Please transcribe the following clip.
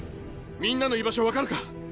みんなの居場所分かるか？